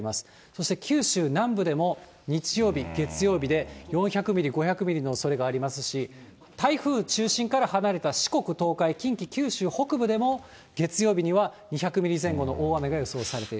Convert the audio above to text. そして九州南部でも、日曜日、月曜日で４００ミリ、５００ミリのおそれがありますし、台風、中心から離れた四国、東海、近畿、九州北部でも、月曜日には２００ミリ前後の大雨が予想されている。